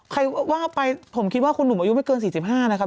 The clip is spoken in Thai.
ใครว่าไปผมคิดว่าคุณหนุ่มอายุไม่เกิน๔๕นะครับ